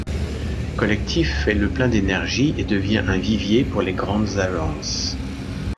Collectif fait le plein d’énergie et devient un vivier pour les grandes agences.